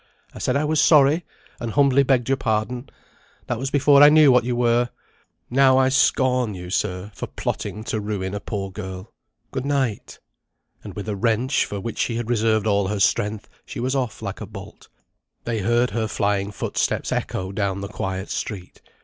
I said I was sorry, and humbly begged your pardon; that was before I knew what you were. Now I scorn you, sir, for plotting to ruin a poor girl. Good night." And with a wrench, for which she had reserved all her strength, she was off like a bolt. They heard her flying footsteps echo down the quiet street.